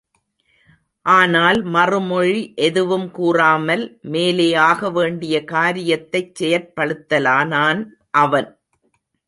ஆனால் மறுமொழி எதுவும் கூறாமல் மேலே ஆகவேண்டிய காரியத்தைச் செயற்படுத்தலானான் அவன்.